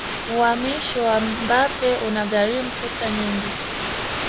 uhamisho wa mbappe una gharimu pesa nyingi